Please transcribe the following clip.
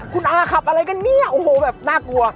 คุณอาขับอะไรกันเนี่ยโอ้โหแบบน่ากลัว